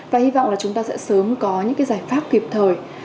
và hy vọng là chúng ta sẽ sớm có những cái giải pháp kịp thời